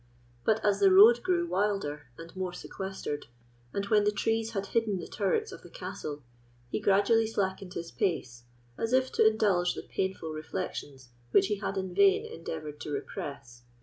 But as the road grew wilder and more sequestered, and when the trees had hidden the turrets of the castle, he gradually slackened his pace, as if to indulge the painful reflections which he had in vain endeavoured to repress.